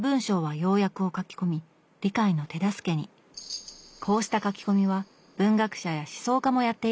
こうした書き込みは文学者や思想家もやっているそうです。